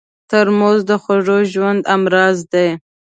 ترموز د خوږ ژوند همراز دی.